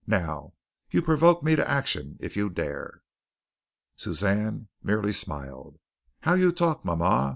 Now you provoke me to action if you dare." Suzanne merely smiled. "How you talk, mama.